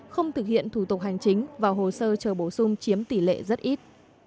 không thực hiện thủ tục hành chính vào hồ sơ chờ bổ sung chiếm tỷ lệ rất ít